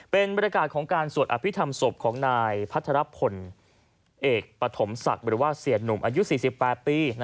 เป็นบรรยากาศของการสวดอภิษฐรรมศพของนายพัทรพลเอกปฐมศักดิ์หรือว่าเสียหนุ่มอายุ๔๘ปี